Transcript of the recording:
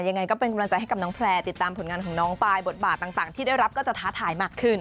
ยังไงก็เป็นกำลังใจให้กับน้องแพร่ติดตามผลงานของน้องไปบทบาทต่างที่ได้รับก็จะท้าทายมากขึ้น